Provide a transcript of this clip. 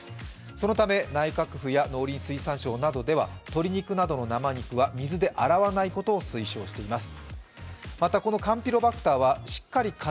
そのため内閣府や農林水産省などでは鶏肉などの生肉は水で洗わないことを推奨しています。